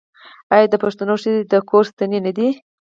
آیا د پښتنو ښځې د کور ستنې نه دي؟